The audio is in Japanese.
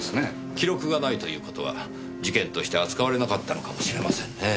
記録がないという事は事件として扱われなかったのかもしれませんねぇ。